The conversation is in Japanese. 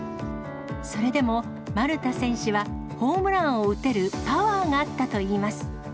それでも丸田選手はホームランを打てるパワーがあったといいます。